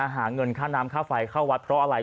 หาเงินค่าน้ำค่าไฟเข้าวัดเพราะอะไร